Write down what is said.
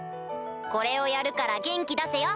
これをやるから元気出せよ！